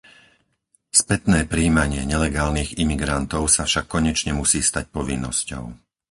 Spätné prijímanie nelegálnych imigrantov sa však konečne musí stať povinnosťou.